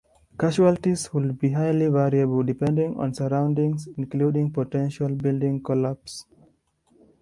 Casualties would be highly variable depending on surroundings, including potential building collapses.